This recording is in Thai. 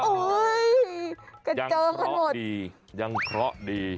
โอ๊ยกระเจอกันหมดยังเคราะห์ดียังเคราะห์ดี